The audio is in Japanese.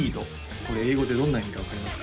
これ英語でどんな意味か分かりますか？